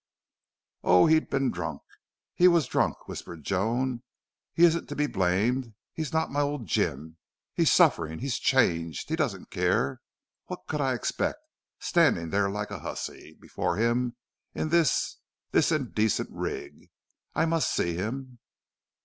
"Oh, he'd been drunk he was drunk!" whispered Joan. "He isn't to be blamed. He's not my old Jim. He's suffering he's changed he doesn't care. What could I expect standing there like a hussy before him in this this indecent rig?... I must see him.